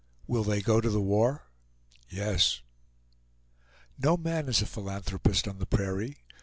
"Will they go to the war?" "Yes." No man is a philanthropist on the prairie.